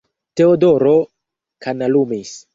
Teodoro kanalumis.